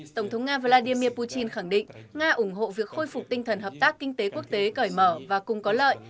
tổng thống nga vladimir putin khẳng định nga ủng hộ việc khôi phục tinh thần hợp tác kinh tế quốc tế cởi mở và cùng có lợi